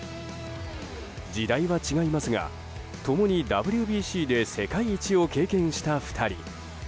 時代は違いますが共にＷＢＣで世界一を経験した２人。